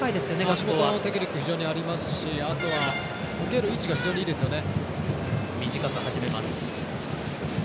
足元のテクニック非常にありますからあと受ける位置も非常にいいですよね。